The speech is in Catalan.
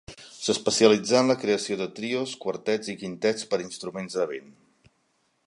S'especialitzà en la creació de trios, quartets i quintets per a instruments de vent.